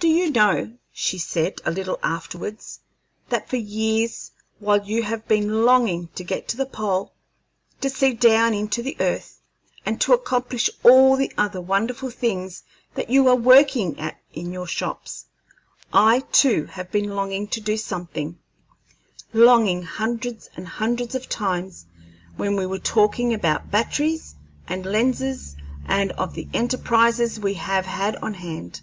"Do you know," she said, a little afterwards, "that for years, while you have been longing to get to the pole, to see down into the earth, and to accomplish all the other wonderful things that you are working at in your shops, I too have been longing to do something longing hundreds and hundreds of times when we were talking about batteries and lenses and of the enterprises we have had on hand."